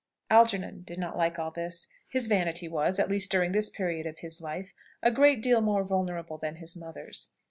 Algernon did not like all this. His vanity was at least during this period of his life a great deal more vulnerable than his mother's.